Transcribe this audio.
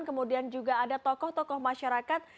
kemudian juga ada tokoh tokoh masyarakat